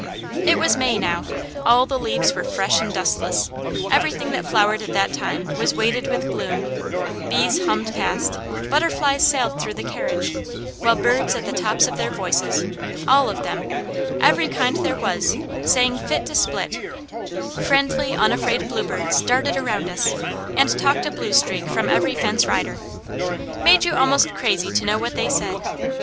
It was May now, all the leaves were fresh and dustless, everything that flowered at that time was weighted with bloom, bees hummed past, butterflies sailed through the carriage, while birds at the tops of their voices, all of them, every kind there was, sang fit to split; friendly, unafraid bluebirds darted around us, and talked a blue streak from every fence rider. Made you almost crazy to know what they said.